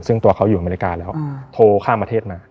ซึ่งตัวเขาอยู่อเมริกาแล้วโทรข้ามประเทศมา